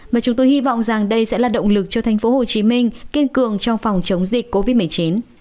và chúng tôi hy vọng rằng đây sẽ là động lực cho thành phố hồ chí minh kiên cường trong phòng chống dịch covid một mươi chín